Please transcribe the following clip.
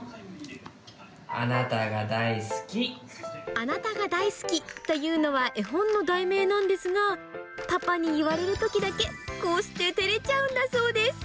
あなたが大好きというのは絵本の題名なんですが、パパに言われるときだけ、こうして照れちゃうんだそうです。